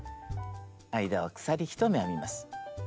間を鎖１目編みます。